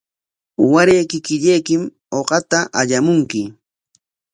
Waray kikillaykim uqata allamunki.